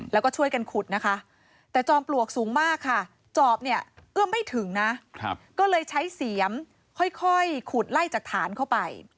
แล้วก็ช่วยกันขุดนะคะแต่จอมปลวกสูงมากค่ะจอบเนี่ยเอื้อมไม่ถึงนะก็เลยใช้เสียมค่อยขุดไล่จากฐานเข้าไป